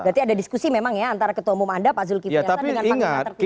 berarti ada diskusi memang ya antara ketua umum anda pak zulkifli hasan dengan panglima tertinggi